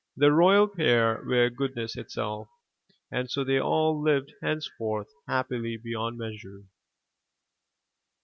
The royal pair were goodness itself, and so they all lived henceforth, happily beyond measure.